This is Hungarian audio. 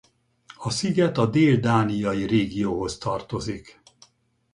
A sziget a Dél-dániai régióhoz tartozik.